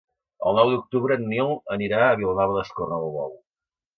El nou d'octubre en Nil anirà a Vilanova d'Escornalbou.